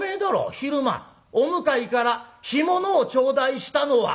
昼間お向かいから干物を頂戴したのは」。